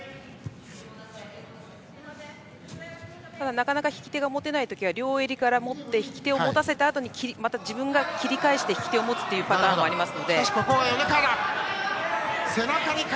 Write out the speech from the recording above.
なかなか引き手が持てない時は両襟から持って引き手を持たせたあとにまた自分が切り返して引き手を持つパターンもあります。